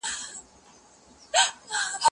ايا ته کتابتون ته راځې.